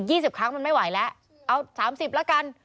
อีก๒๐ครั้งมันไม่ไหวแล้วเอา๓๐แล้วกัน